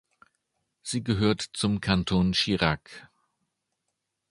Sie gehört zum Kanton Chirac.